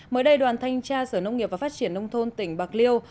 mới đây đoàn thanh tra sở nông nghiệp và phát triển nông thôn tỉnh bạc liêu